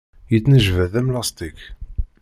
Yettnejbad am lastik.